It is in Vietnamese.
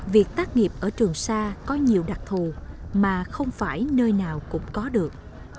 việc tác nghiệp ở trường sa có nhiều đặc thù mà không phải nơi nào cũng có được